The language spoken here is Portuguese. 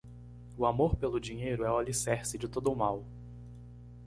O amor pelo dinheiro é o alicerce de todo o mal.